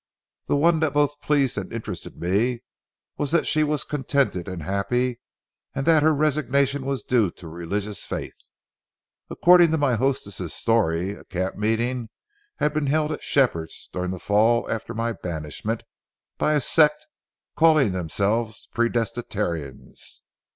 The one that both pleased and interested me was that she was contented and happy, and that her resignation was due to religious faith. According to my hostess's story, a camp meeting had been held at Shepherd's during the fall after my banishment, by a sect calling themselves Predestinarians.